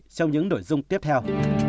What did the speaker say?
trong những nội dung tiếp theo